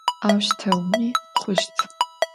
Auşteumi xhuşt.